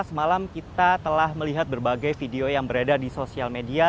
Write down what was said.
semalam kita telah melihat berbagai video yang beredar di sosial media